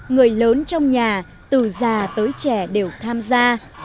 người lớn trong nhà từ già tới trẻ đều tham gia